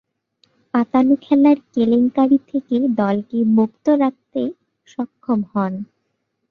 পাতানো খেলার কেলেঙ্কারী থেকে দলকে মুক্ত রাখতে সক্ষম হন।